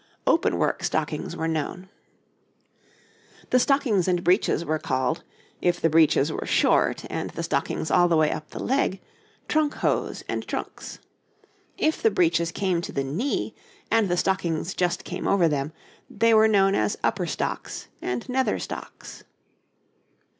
Openwork stockings were known. [Illustration: {A man of the time of Elizabeth}] The stockings and breeches were called, if the breeches were short and the stockings all the way up the leg, trunk hose and trunks; if the breeches came to the knee and the stockings just came over them, they were known as upper stocks and nether stocks.